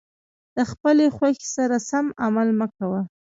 د خپلې خوښې سره سم عمل مه کوه.